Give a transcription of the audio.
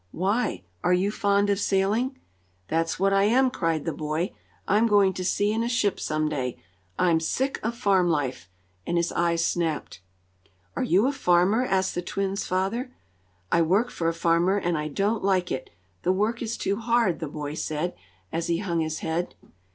Why? Are you fond of sailing?" "That's what I am!" cried the boy. "I'm going to sea in a ship some day. I'm sick of farm life!" and his eyes snapped. "Are you a farmer?" asked the twins' father. "I work for a farmer, and I don't like it the work is too hard," the boy said, as he hung his head.